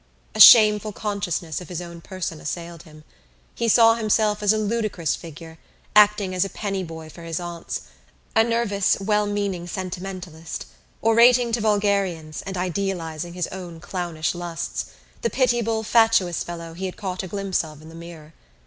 A shameful consciousness of his own person assailed him. He saw himself as a ludicrous figure, acting as a pennyboy for his aunts, a nervous, well meaning sentimentalist, orating to vulgarians and idealising his own clownish lusts, the pitiable fatuous fellow he had caught a glimpse of in the mirror.